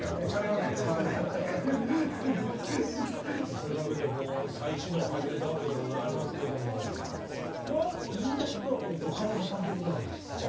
というわけで再始動を始めたわけでございますけどもこれは言いだしっぺは岡本さんということなんですか？